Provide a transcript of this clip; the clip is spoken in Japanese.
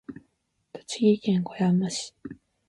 栃木県小山市